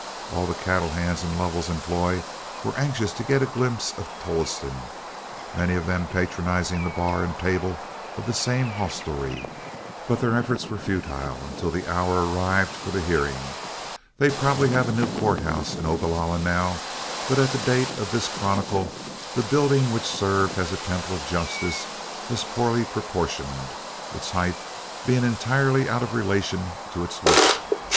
All the cattle hands in Lovell's employ were anxious to get a glimpse of Tolleston, many of them patronizing the bar and table of the same hostelry, but their efforts were futile until the hour arrived for the hearing. They probably have a new court house in Ogalalla now, but at the date of this chronicle the building which served as a temple of justice was poorly proportioned, its height being entirely out of relation to its width.